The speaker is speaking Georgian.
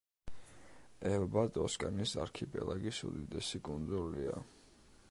ელბა ტოსკანის არქიპელაგის უდიდესი კუნძულია.